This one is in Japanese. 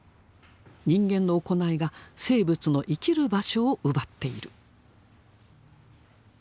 人間の行いが生物の生きる場所を奪っている。